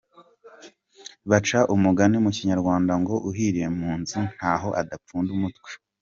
Baca umugani mu Kinyarwanda ngo uhiriye mu nzu ntaho adapfunda umutwe.